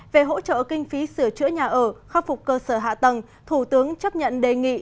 về hỗ trợ kinh phí sửa chữa nhà ở khắc phục cơ sở hạ tầng thủ tướng chấp nhận đề nghị